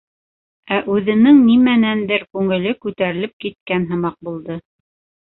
Ә үҙенең нимәнәндер күңеле күтәрелеп киткән һымаҡ булды.